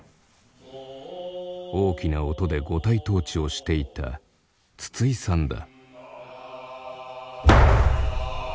大きな音で五体投地をしていた筒井さんだ。